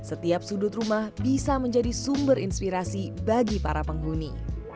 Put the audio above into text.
setiap sudut rumah bisa menjadi sumber inspirasi bagi para penghuni